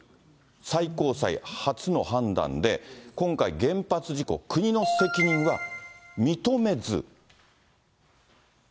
最高裁初の判断で、今回、原発事故、国の責任は認めず。